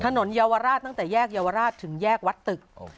เยาวราชตั้งแต่แยกเยาวราชถึงแยกวัดตึก